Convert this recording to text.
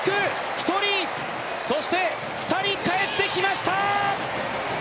１人、そして２人帰ってきました。